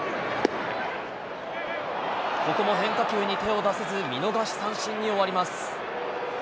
ここも変化球に手を出せず、見逃し三振に終わります。